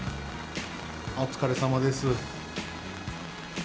お疲れさまです。